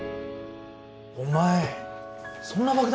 お前そんな爆弾